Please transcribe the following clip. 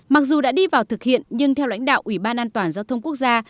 mặc dù đã đi vào thực hiện nhưng theo lãnh đạo ủy ban an toàn giao thông quốc gia